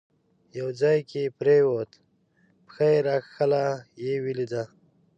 یو ځای کې پرېوت، پښه یې راکښله، یې ولیده.